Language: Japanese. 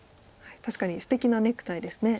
確かにすてきなネクタイですね。